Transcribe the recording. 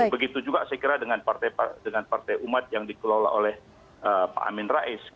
begitu juga saya kira dengan partai umat yang dikelola oleh pak amin rais